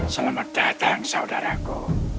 selamat datang saudaraku